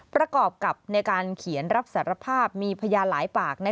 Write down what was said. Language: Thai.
ประกอบกับในการเขียนรับสารภาพมีพยานหลายปาก